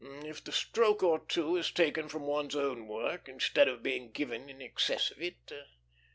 "If the stroke or two is taken from one's own work instead of being given in excess of it.